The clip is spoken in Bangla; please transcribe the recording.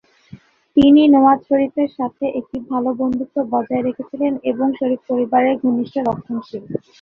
তিনি নওয়াজ শরীফের সাথে একটি ভাল বন্ধুত্ব বজায় রেখেছিলেন এবং শরীফ পরিবারের ঘনিষ্ঠ রক্ষণশীল।